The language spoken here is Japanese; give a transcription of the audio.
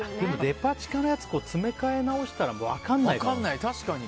デパ地下のやつ詰め替え直したら分からないかも。